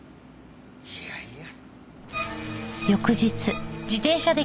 いやいや。